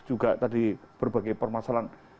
juga tadi berbagai permasalahan